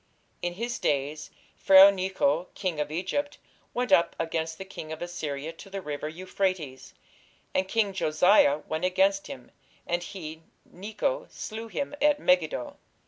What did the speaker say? "In his days Pharaoh nechoh king of Egypt went up against the king of Assyria to the river Euphrates: and king Josiah went against him; and he (Necho) slew him at Megiddo."